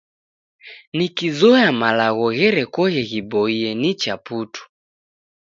Nikizoya malagho gherekoghe ghiboie nicha putu.